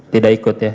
tidak ikut ya